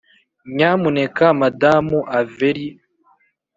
nyamuneka madamu avery